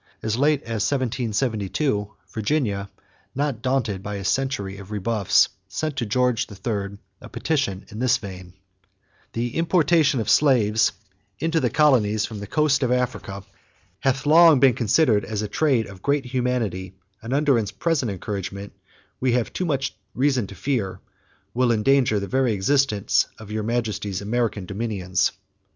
As late as 1772, Virginia, not daunted by a century of rebuffs, sent to George III a petition in this vein: "The importation of slaves into the colonies from the coast of Africa hath long been considered as a trade of great inhumanity and under its present encouragement, we have too much reason to fear, will endanger the very existence of Your Majesty's American dominions....